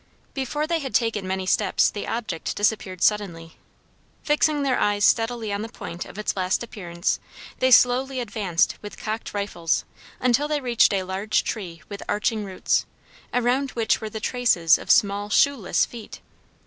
Before they had taken many steps the object disappeared suddenly. Fixing their eyes steadily on the point of its last appearance, they slowly advanced with cocked rifles until they reached a large tree with arching roots, around which were the traces of small shoeless feet.